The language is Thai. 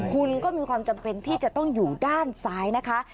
คุณก็มีความจำเป็นที่จะต้องอยู่ด้านซ้ายนะคะ